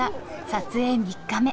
撮影３日目。